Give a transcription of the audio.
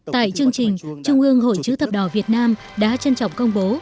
tại chương trình trung ương hội chữ thập đỏ việt nam đã trân trọng công bố